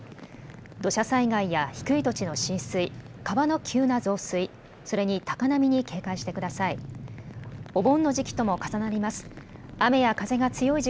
土砂災害や低い土地の浸水、川の急な増水、それに高波に警戒してください。